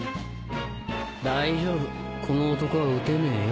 大丈夫この男は撃てねえよ。